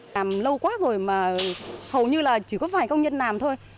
làm lâu quá rồi mà hầu như là chỉ có vài công nhân làm thôi